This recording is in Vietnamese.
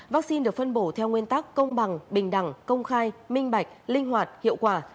vaccine được phân bổ theo nguyên tắc công bằng bình đẳng công khai minh bạch linh hoạt hiệu quả